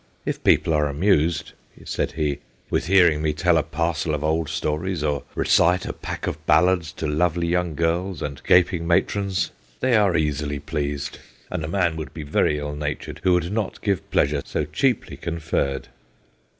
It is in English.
' If people are amused,' said he, ' with hearing me tell a parcel of old stories, or recite a pack of ballads to lovely young girls and gaping matrons, they are easily pleased, and 198 THE GHOSTS OF PICCADILLY a man would be very ill natured who would not give pleasure so cheaply conferred.